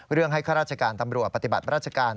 เรื่องให้ข้าราชการตำรวจปฏิบัติราชการ